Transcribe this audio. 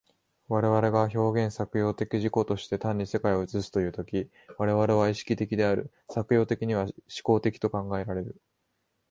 我々が表現作用的自己として単に世界を映すという時、我々は意識的である、作用的には志向的と考えられる。